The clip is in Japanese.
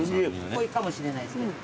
濃いかもしれないですけど。